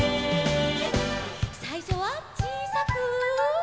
さいしょはちいさく。